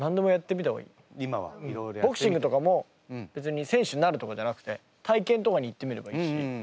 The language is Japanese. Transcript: ボクシングとかも別に選手になるとかじゃなくて体験とかに行ってみればいいし。